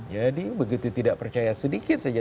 jadi begitu tidak percaya sedikit saja